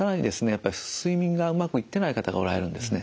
やっぱり睡眠がうまくいってない方がおられるんですね。